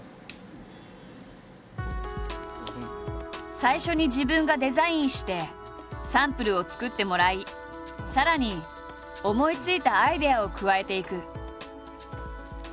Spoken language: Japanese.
最初に自分がデザインしてサンプルを作ってもらいさらに思いついたアイデアを加えていく。